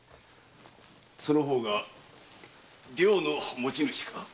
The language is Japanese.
その方が寮の持ち主か？